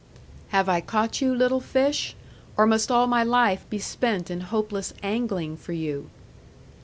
'Have I caught you, little fish? Or must all my life be spent in hopeless angling for you?'